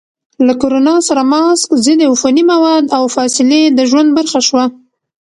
له کرونا سره ماسک، ضد عفوني مواد، او فاصلې د ژوند برخه شوه.